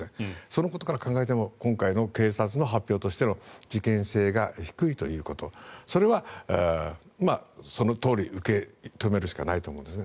そのことから考えても今回の警察の発表としての事件性が低いということそれはそのとおり受け止めるしかないと思うんです。